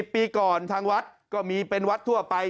ปีก่อนทางวัดก็มีเป็นวัดทั่วไป